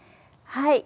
はい。